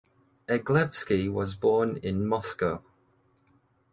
Eglevsky was born in Moscow.